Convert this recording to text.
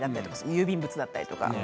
郵便物だったりとか。